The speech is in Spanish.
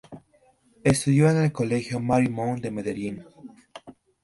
Estudio en el Colegio Marymount de Medellín.